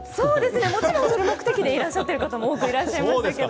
もちろんその目的でいらっしゃる方も多くいらっしゃいましたけど。